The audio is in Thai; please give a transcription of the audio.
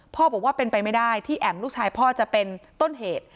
บอกว่าเป็นไปไม่ได้ที่แอ๋มลูกชายพ่อจะเป็นต้นเหตุ